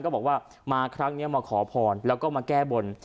บอกว่ามาครั้งนี้มาขอพรแล้วก็มาแก้บน